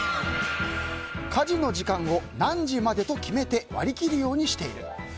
家事の時間を何時までと決めて割り切るようにしている。